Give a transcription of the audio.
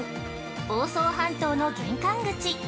房総半島の玄関口。